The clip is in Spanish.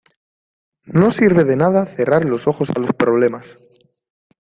no sirve de nada cerrar los ojos a los problemas